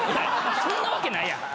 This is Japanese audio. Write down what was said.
そんなわけないやん。